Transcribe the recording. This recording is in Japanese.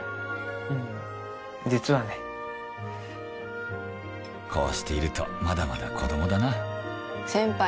うん実はねこうしているとまだまだ子供だな先輩